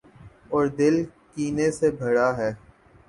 اوردل کینے سے بھراہے۔